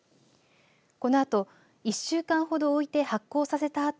このあと１週間ほど置いて発酵させたあと